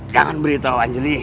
jangan beritahu anjli